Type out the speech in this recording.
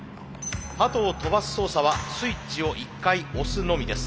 鳩を飛ばす操作はスイッチを１回押すのみです。